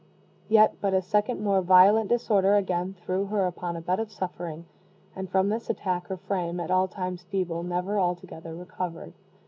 Yet but a second more violent disorder again threw her upon a bed of suffering; and from this attack her frame, at all times feeble, never altogether recovered.